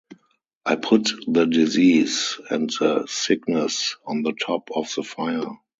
I put the disease and the sickness on the top of the fire.